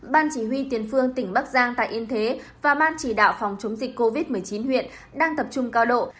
ban chỉ huy tiền phương tỉnh bắc giang tại yên thế và ban chỉ đạo phòng chống dịch covid một mươi chín huyện đang tập trung cao độ